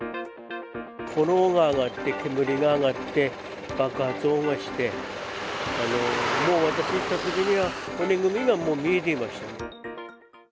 炎が上がって、煙が上がって、爆発音がして、もう私が行ったときには、骨組みがもう見えていました。